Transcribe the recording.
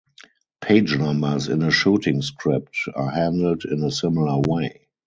Page numbers in a shooting script are handled in a similar way.